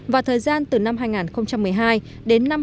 và thời gian từ năm hai nghìn một mươi ba đến năm hai nghìn một mươi bốn